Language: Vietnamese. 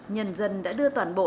nhân dân đã đưa toàn bộ